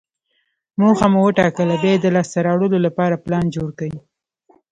موخه مو چې وټاکله، بیا یې د لاسته راوړلو لپاره پلان جوړ کړئ.